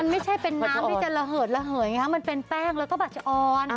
ไม่ใช่เป็นน้ำที่จะระเหิดระเหยมันเป็นแป้งแล้วก็บัชออน